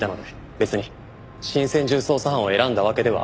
別に新専従捜査班を選んだわけではありません。